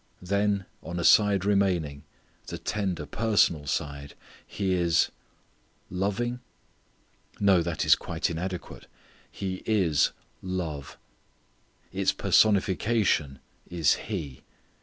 Then on a side remaining, the tender personal side, He is loving? No, that is quite inadequate. He is love. Its personification is He.